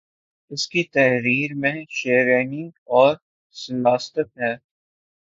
اسکی تحریر میں شیرینی اور سلاست ہے